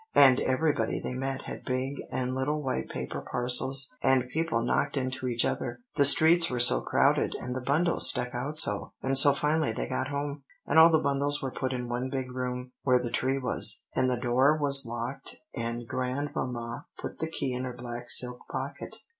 And everybody they met had big and little white paper parcels; and people knocked into each other, the streets were so crowded and the bundles stuck out so; and so finally they got home, and all the bundles were put in one big room where the tree was; and the door was locked, and Grandmamma put the key in her black silk pocket.